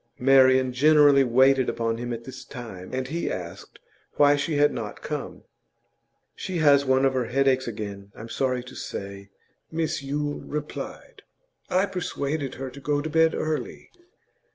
Marian generally waited upon him at this time, and he asked why she had not come. 'She has one of her headaches again, I'm sorry to say,' Mrs Yule replied. 'I persuaded her to go to bed early.